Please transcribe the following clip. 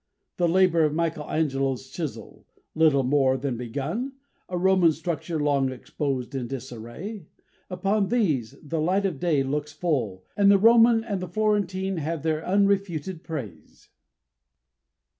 The labour of Michelangelo's chisel, little more than begun, a Roman structure long exposed in disarray upon these the light of day looks full, and the Roman and the Florentine have their unrefuted praise.